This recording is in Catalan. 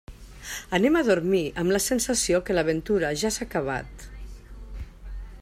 Anem a dormir amb la sensació que l'aventura ja s'ha acabat.